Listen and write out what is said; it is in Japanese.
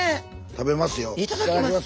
食べますよ。